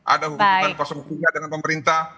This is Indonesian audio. ada hubungan tiga dengan pemerintah